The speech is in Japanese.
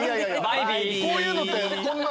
こういうのってこんな。